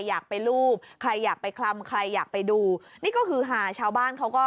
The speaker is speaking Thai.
อะกล้ายละที่๘ทับ๖ค่ะ